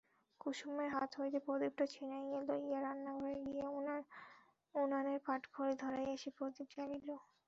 কুসুমের হাত হইতে প্রদীপটা ছিনাইয়া লইয়া রান্নাঘরে গিয়া উনানে পাটখড়ি ধরাইয়া সে প্রদীপ জ্বালিল।